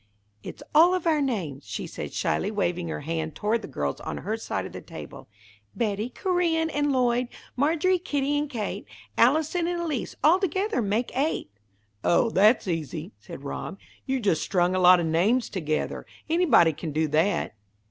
"It's all of our names," she said, shyly, waving her hand toward the girls on her side of the table. "Betty, Corinne, and Lloyd, Margery, Kitty, and Kate, Allison and Elise all together make eight." "Oh, that's easy," said Rob. "You just strung a lot of names together. Anybody can do that."